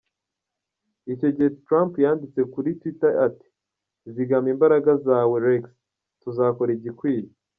Icyo gihe Trump yanditse kuri Twitter ati "Zigama imbaraga zawe Rex, tuzakora igikwiye!".